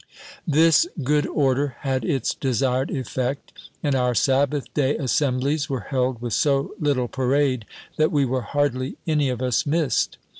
This good order had its desired effect, and our Sabbath day assemblies were held with so little parade, that we were hardly any of us missed.